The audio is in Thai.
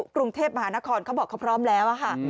กรุงเทพมหานครเขาบอกเขาพร้อมแล้วค่ะ